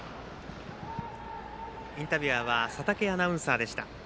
インタビュアーは佐竹祐人アナウンサーでした。